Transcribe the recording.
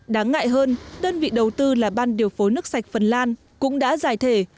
đáng ngại hơn đơn vị đầu tư là ban điều phối nước sạch phần lan cũng đã giải thể